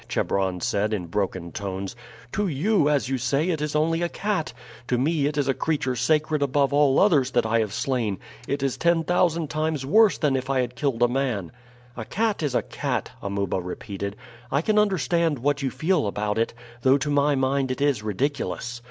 Chebron said in broken tones. "To you, as you say, it is only a cat; to me it is a creature sacred above all others that I have slain. It is ten thousand times worse than if I had killed a man." "A cat is a cat," Amuba repeated. "I can understand what you feel about it, though to my mind it is ridiculous.